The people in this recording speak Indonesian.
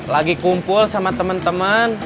lagi kumpul sama teman teman